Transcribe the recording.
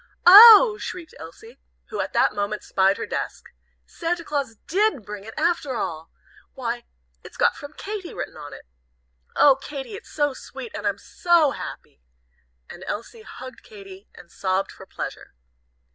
"Oh!" shrieked Elsie, who at that moment spied her desk, "Santa Claus did bring it, after all! Why, it's got 'from Katy' written on it! Oh, Katy, it's so sweet, and I'm so happy!" and Elsie hugged Katy, and sobbed for pleasure.